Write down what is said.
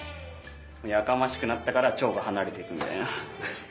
やかましくなったからチョウがはなれていくみたいな。